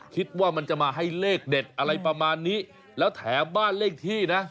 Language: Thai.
คิดว่ามันจะมาให้เลขเด็ดอะไรประมาณนี้แล้วแถมบ้านเลขที่นะ